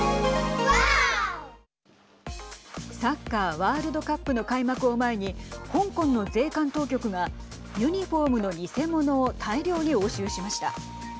サッカーワールドカップの開幕を前に香港の税関当局がユニフォームの偽物を大量に押収しました。